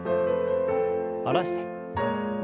下ろして。